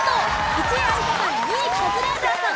１位有田さん２位カズレーザーさん。